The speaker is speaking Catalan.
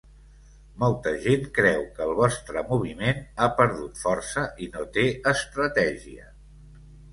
Molta gent creu que el vostre moviment ha perdut força i no té estratègia.